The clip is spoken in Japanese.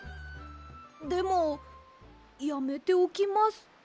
でもやめておきます。